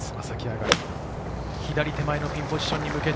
左手前のピンポジションに向けて。